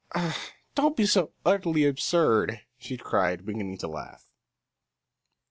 "Ah don't be so utterly absurd," she cried, beginning to laugh.